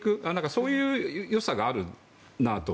そういう良さがあるなと。